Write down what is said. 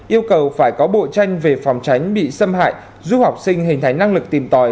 yêu cầu phải có bộ tranh về phòng tránh bị xâm hại giúp học sinh hình thành năng lực tìm tòi